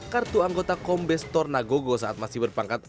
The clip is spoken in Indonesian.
kartu anggota pombes tornagogo saat masih berpangkat